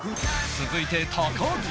続いて高岸